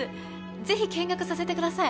ぜひ見学させてください